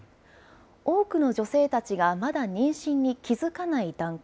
多くの女性たちがまだ妊娠に気付かない段階、